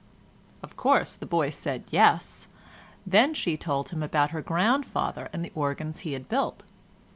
Of course, the boy said yes; then she told him about her grandfather and the organs he had built.